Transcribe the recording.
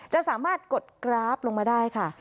จะสามารถกดกราฟลงมาได้ค่ะ